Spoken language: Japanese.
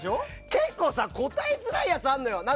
結構、答えづらいやつあんのよ。